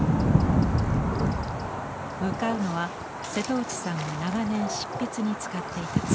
向かうのは瀬戸内さんが長年執筆に使っていた机。